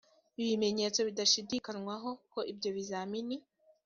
ibimenyetso bidashidikanywaho ko ibyo bizamini